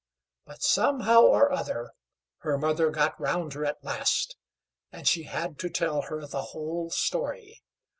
But, somehow or other, her mother got round her at last, and she had to tell her the whole story.